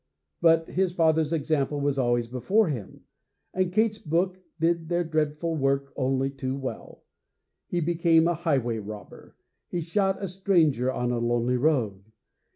But his father's example was always before him, and Kate's books did their dreadful work only too well. He became a highway robber; he shot a stranger on a lonely road.